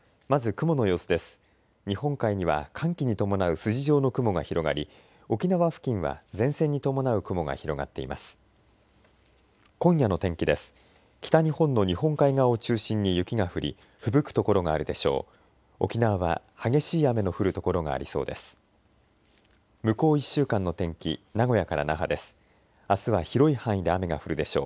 北日本の日本海側を中心に雪が降りふぶく所があるでしょう。